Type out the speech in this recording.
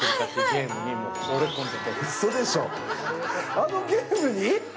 あのゲームに？